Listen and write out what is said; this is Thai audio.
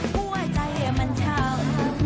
หัวใจมันเช้า